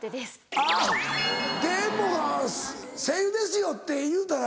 あぁでも「声優ですよ」って言うたら。